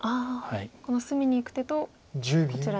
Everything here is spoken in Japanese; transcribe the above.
この隅にいく手とこちら